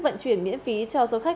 vận chuyển miễn phí cho du khách